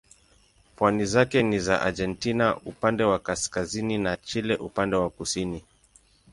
Pwani zake ni za Argentina upande wa kaskazini na Chile upande wa kusini.